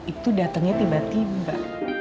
itu datengnya tiba tiba